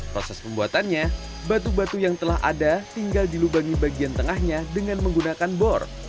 proses pembuatannya batu batu yang telah ada tinggal dilubangi bagian tengahnya dengan menggunakan bor